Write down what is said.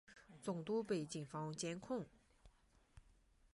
总部被警方监控。